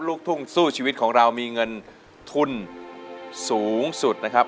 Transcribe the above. ลูกทุ่งสู้ชีวิตของเรามีเงินทุนสูงสุดนะครับ